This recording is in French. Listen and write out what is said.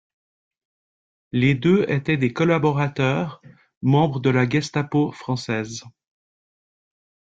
Les deux étaient des collaborateurs, membres de la Gestapo française.